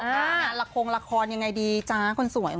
งานละครงละครยังไงดีจ๊ะคนสวย